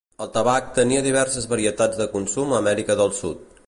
El tabac tenia diverses varietats de consum a Amèrica del Sud.